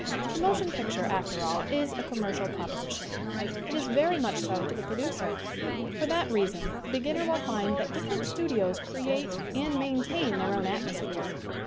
The motion picture, after all, is a commercial proposition. It is very much so to the pro ducer. For that reason the beginner will find that different studios create and maintain their own atmosphere.